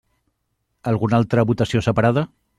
Alguna altra votació separada?